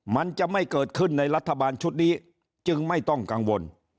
มันจะไม่เกิดขึ้นในรัฐบาลชุดนี้จึงไม่ต้องกังวล